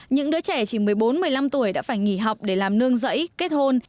những đứa trẻ chỉ một mươi bốn một mươi năm tuổi đã phải nghỉ học để làm nương rẫy kết hôn